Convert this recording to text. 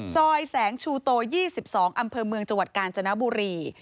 ซอยแสงชูโต๒๒อำเภอเมืองจังหวัดกาญจนบุรี